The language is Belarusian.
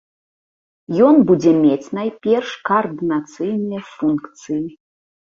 Ён будзе мець найперш каардынацыйныя функцыі.